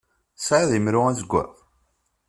Tesεiḍ imru azeggaɣ?